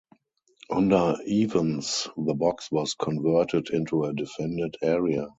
Under Evans, the Box was converted into a defended area.